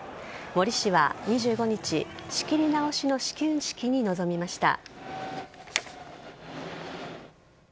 森氏は２５日仕切り直しの始球式に臨みました。